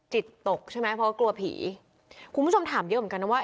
จิตตกใช่ไหมเพราะกลัวผีคุณผู้ชมถามเยอะเหมือนกันนะว่า